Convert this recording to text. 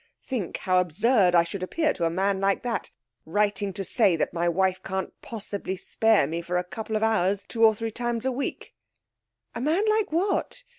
Think how absurd I should appear to a man like that, writing to say that my wife can't possibly spare me for a couple of hours two or three times a week!' 'A man like what?